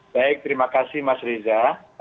baik terima kasih mas reza